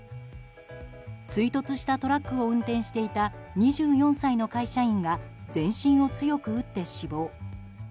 追突したトラックを運転していた２４歳の会社員が全身を強く打って死亡。